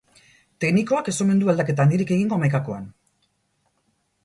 Teknikoak ez omen du aldaketa handirik egingo hamaikakoan.